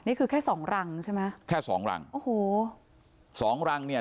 นี่คือแค่๒รังเสราะมะแค่๒รังโอ้โห๒รังเนี่ย